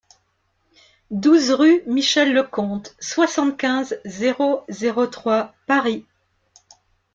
douze rue Michel le Comte, soixante-quinze, zéro zéro trois, Paris